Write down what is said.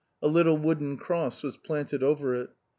A little wooden cross was planted over it.